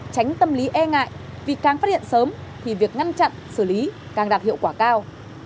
tránh tâm lý e ngại vì càng phát hiện sớm thì việc ngăn chặn xử lý càng đạt hiệu quả cao